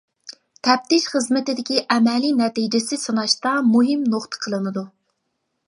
تەپتىش خىزمىتىدىكى ئەمەلىي نەتىجىسى سىناشتا مۇھىم نۇقتا قىلىنىدۇ.